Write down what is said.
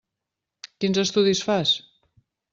Quins estudis fas?